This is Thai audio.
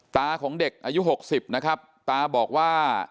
ตาของเด็กอายุ๖๐นะครับตาบอกว่า